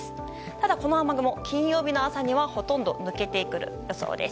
ただこの雨雲、金曜日の朝にはほとんど抜けてくる予想です。